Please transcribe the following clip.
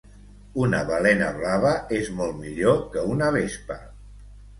Una balena blava és molt millor que una vespa